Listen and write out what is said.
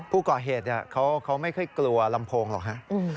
ผู้ก่อเหตุเขาไม่ค่อยกลัวลำโพงหรอกฮะ